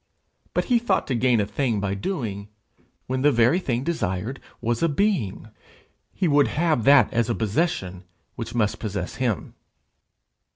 But he thought to gain a thing by a doing, when the very thing desired was a being: he would have that as a possession which must possess him.